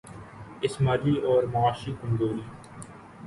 اس مالی اور معاشی کمزوری